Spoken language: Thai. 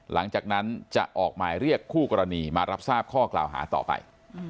หลังจากนั้นจะออกหมายเรียกคู่กรณีมารับทราบข้อกล่าวหาต่อไป